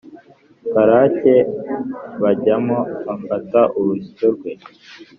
karakea bajyamo afata urusyo rwe